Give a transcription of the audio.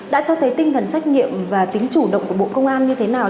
đã cho thấy tinh thần trách nhiệm và tính chủ động của bộ công an như thế nào